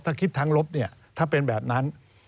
ถ้าคิดทั้งลบเนี่ยถ้าเป็นแบบนั้น